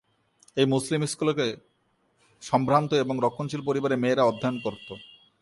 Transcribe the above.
এই মুসলিম স্কুলে সম্ভ্রান্ত এবং রক্ষণশীল পরিবারের মেয়েরা অধ্যয়ন করত।